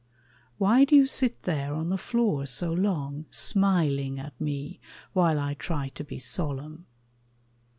Why do you sit there on the floor so long, Smiling at me while I try to be solemn?